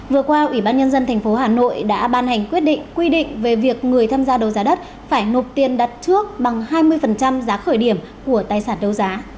vừa qua ủy ban nhân dân tp hà nội đã ban hành quyết định quy định về việc người tham gia đấu giá đất phải nộp tiền đặt trước bằng hai mươi giá khởi điểm của tài sản đấu giá